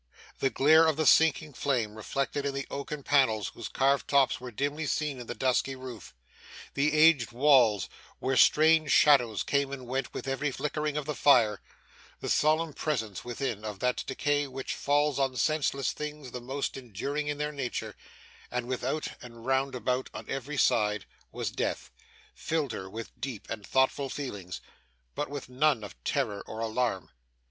The glare of the sinking flame, reflected in the oaken panels whose carved tops were dimly seen in the dusky roof the aged walls, where strange shadows came and went with every flickering of the fire the solemn presence, within, of that decay which falls on senseless things the most enduring in their nature: and, without, and round about on every side, of Death filled her with deep and thoughtful feelings, but with none of terror or alarm.